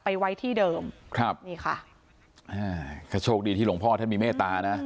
ไว้ที่เดิมครับนี่ค่ะอ่าก็โชคดีที่หลวงพ่อท่านมีเมตตานะ